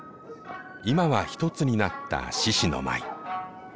今は一つになった獅子の舞。